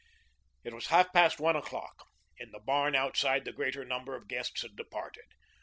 It was half past one o'clock. In the barn outside the greater number of the guests had departed.